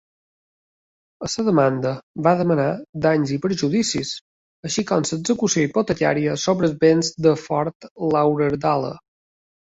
En la demanda, va demanar danys i perjudicis, així com l'execució hipotecària sobre els béns de Fort Lauderdale.